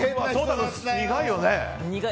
君、苦いよね。